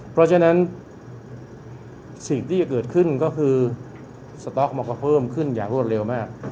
เพราะฉะนั้นที่จะเกิดขึ้นก็คือขพเพิ่มขึ้นอย่างรวดเร็วมาก